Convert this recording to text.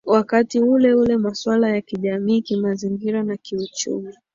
wakati uleule maswala ya kijamii kimazingira na kiuchumi